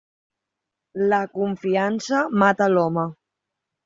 La confiança mata l'home.